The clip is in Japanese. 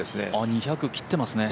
２００切ってますね。